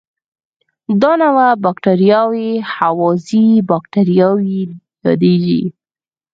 دا نوعه بکټریاوې هوازی باکتریاوې یادیږي.